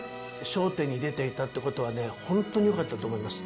笑点に出ていたってことはね、本当によかったと思います。